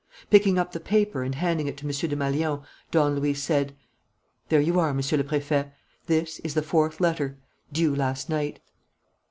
Picking up the paper and handing it to M. Desmalions, Don Luis said: "There you are, Monsieur le Préfet. This is the fourth letter, due last night."